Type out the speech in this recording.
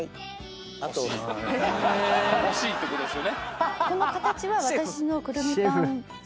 「欲しいってことですよね」